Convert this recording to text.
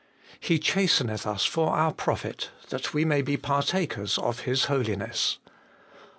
' He chasteneth us for our profit, that we may be partakers of His holiness.